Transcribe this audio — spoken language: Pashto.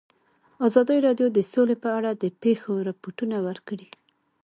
ازادي راډیو د سوله په اړه د پېښو رپوټونه ورکړي.